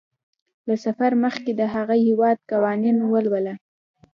له سفر مخکې د هغه هیواد قوانین ولوله.